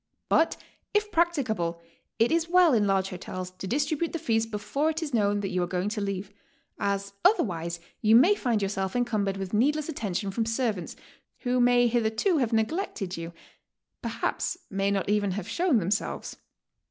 But if practicable it is well in large hotels to distribute the fees before it is known that you are going to leave, as other wise you may find yourself encumbered with needless aitten tion from servants, who may hitherto have neglected you, perhaps may not even have shown themselves.